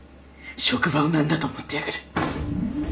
職場を何だと思ってやがる。